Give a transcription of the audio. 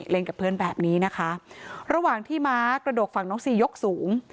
เล่นกับเพื่อนแบบนี้นะคะระหว่างที่ม้ากระโดดฝั่งน้องซียกสูง